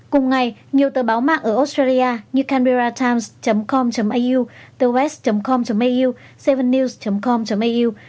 cùng ngày nhiều tờ báo mạng ở australia như canberra times com au the west com au bảy news com au